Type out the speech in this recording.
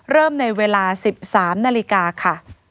เริ่มในเวลา๑๓นาฬิกาค่ะ